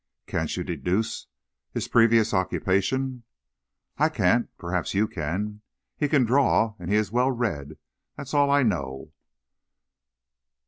"Can't you deduce his previous occupation?" "I can't. Perhaps you can. He can draw, and he is well read, that's all I know."